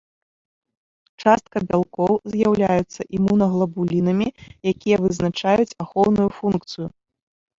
Частка бялкоў з'яўляюцца імунаглабулінамі, якія вызначаюць ахоўную функцыю.